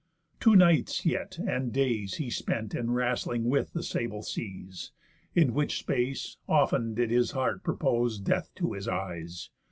Two nights, yet, and days He spent in wrastling with the sable seas; In which space, often did his heart propose Death to his eyes.